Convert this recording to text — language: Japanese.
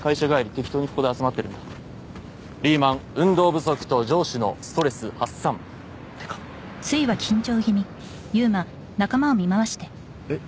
適当にここで集まってるんだリーマン運動不足と上司のストレス発散ってかえっ？